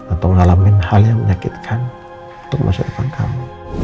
atau ngalamin hal yang menyakitkan untuk masyarakat kamu